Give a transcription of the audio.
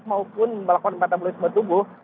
maupun melakukan metabolisme tubuh